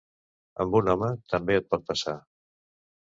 Amb un home també et pot passar...